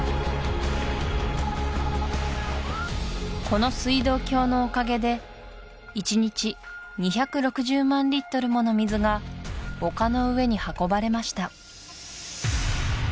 この水道橋のおかげで１日２６０万リットルもの水が丘の上に運ばれました